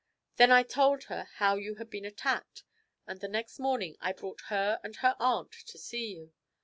Then I told her how you had been attacked, and the next morning I brought her and her aunt to see you.